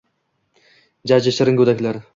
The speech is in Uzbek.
Jajji shirin go’daklar…